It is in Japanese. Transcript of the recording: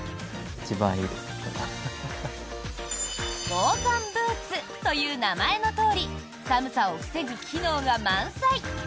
防寒ブーツという名前のとおり寒さを防ぐ機能が満載。